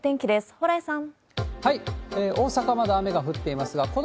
蓬莱さん。